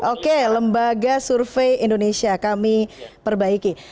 oke lembaga survei indonesia kami perbaiki